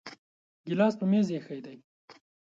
ګلاس په میز ایښی دی